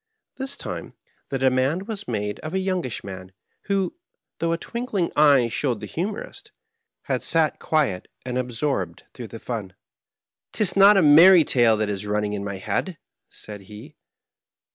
This time the demand was made on a young ish man, who, though a twinkling eye showed the humorist, had sat quiet and absorbed through the fun. " 'Tis not a merry tale that is running in my head,'^ said he.